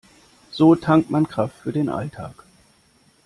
So tankt man Kraft für den Alltag.